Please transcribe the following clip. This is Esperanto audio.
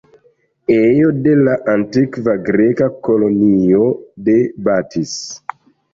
Ejo de la antikva Greka kolonio de Batis.